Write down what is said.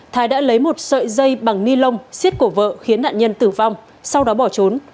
thái đã lấy một sợi dây bằng ni lông xiết cổ vợ khiến nạn nhân tử vong sau đó bỏ trốn